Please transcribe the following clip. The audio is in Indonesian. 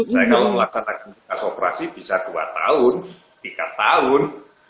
saya kalau melaksanakan tugas operasi bisa dua tahun tiga tahun